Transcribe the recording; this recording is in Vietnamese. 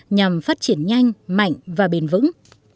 nhằm phát triển nhanh mạnh và bền vững